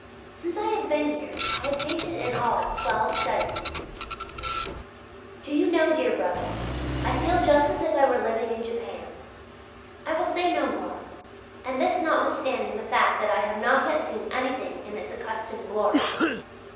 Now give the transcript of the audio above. Since I have been here I have painted, in all, twelve studies. Do you know, dear brother, I feel just as if I were living in Japan. I will say no more. And this notwithstanding the fact that I have not yet seen anything in its accustomed glory.